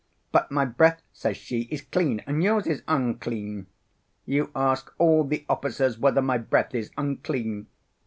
'But my breath,' says she, 'is clean, and yours is unclean.' 'You ask all the officers whether my breath is unclean.